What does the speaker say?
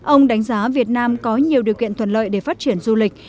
ông đánh giá việt nam có nhiều điều kiện thuận lợi để phát triển du lịch